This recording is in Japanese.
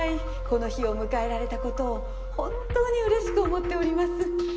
この日を迎えられたことを本当にうれしく思っております。